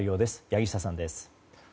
柳下さんです。